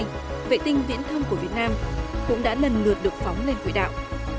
vì nasa một và hai vệ tinh viễn thông của việt nam cũng đã lần lượt được phóng lên quỹ đạo